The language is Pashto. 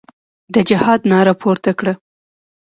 د جهاد ناره پورته کړه.